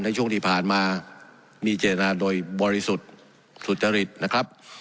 ในช่วงที่ผ่านมามีเจตนาโดยบริสุทธิ์สุจริตนะครับ